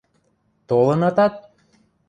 – Толынатат?